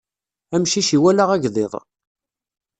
Amcic iwala agḍiḍ.